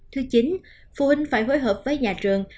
thứ chín phụ huynh phải phối hợp với nhà trường